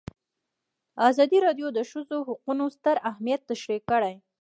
ازادي راډیو د د ښځو حقونه ستر اهميت تشریح کړی.